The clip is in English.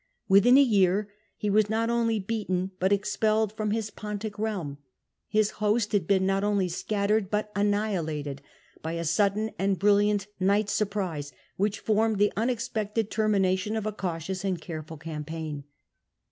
Within a year he was not only beaten, but expelled from his Pontic realm ; his host had been not only scattered, but annihilated, by a sudden and brilliant night surprise, which formed the unexpected termination of a cautious and careful campaign.